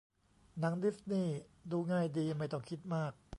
หนังดิสนีย์ ดูง่ายดี ไม่ต้องคิดมาก